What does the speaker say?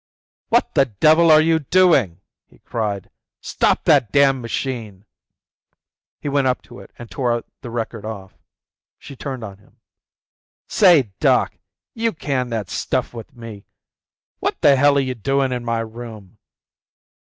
"What the devil are you doing?" he cried. "Stop that damned machine." He went up to it and tore the record off. She turned on him. "Say, doc, you can that stuff with me. What the hell are you doin' in my room?"